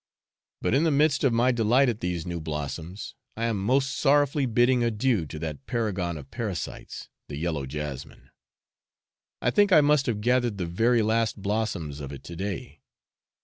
But in the midst of my delight at these new blossoms, I am most sorrowfully bidding adieu to that paragon of parasites, the yellow jasmine; I think I must have gathered the very last blossoms of it to day.